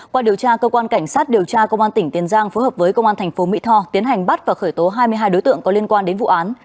qua điều tra cơ quan cảnh sát điều tra công an tỉnh tiền giang phối hợp với công an thành phố mỹ tho tiến hành bắt và khởi tố hai mươi hai đối tượng có liên quan đến vụ án